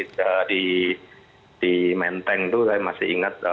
jadi di menteng tuh saya masih ingat